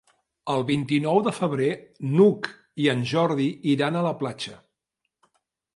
El vint-i-nou de febrer n'Hug i en Jordi iran a la platja.